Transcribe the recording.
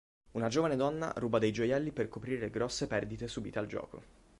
Una giovane donna ruba dei gioielli per coprire le grosse perdite subite al gioco.